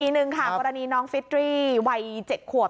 อีกหนึ่งค่ะกรณีน้องฟิตรีวัยเจ็ดขวบ